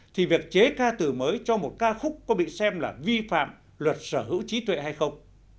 thì việc chế ca từ mới cho một ca khúc có bị xem là vi phạm luật sở hữu trí tuệ hay không